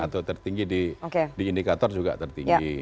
atau tertinggi di indikator juga tertinggi